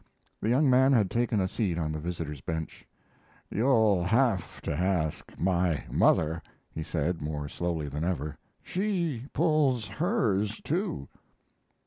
The young man had taken a seat on the visitors' bench. "You'll have to ask my mother," he said, more slowly than ever. "She pulls hers, too."